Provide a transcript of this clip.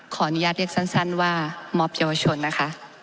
ขออนุญาตเรียกสั้นว่ามอบเยาวชนนะคะ